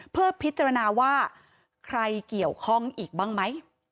เพื่อพิจารณาว่าใครเกี่ยวข้องอีกบ้างไหม